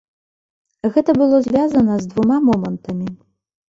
Гэта было звязана з двума момантамі.